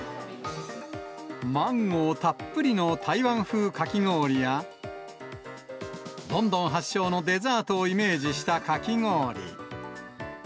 マンゴーたっぷりの台湾風かき氷や、ロンドン発祥のデザートをイメージしたかき氷。